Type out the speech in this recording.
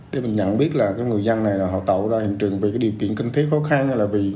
để mình nhận biết là cái người dân này họ tạo ra hiện trường vì cái điều kiện kinh thiết khó khăn